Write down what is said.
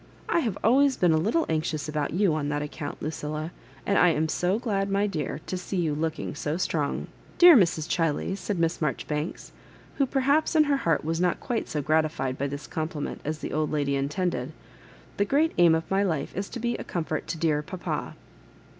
I have always been a little anxious about you on that account, Lucil la; and I am so glad, my dear, to see you look ing so strong." " Dear Mrs. Chiley," said Miss Marjoribanks, who perhaps in her heart was not quite so grati fied by this compliment as the old lady intended, " the great aim of my life is to be a comfort to dear papa."